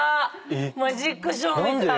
マジックショーみたい。